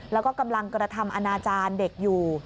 แล้วก็กำลังกระทำอนาจารย์เด็กอยู่